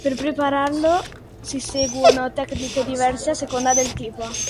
Per prepararlo si seguono tecniche diverse a seconda del tipo.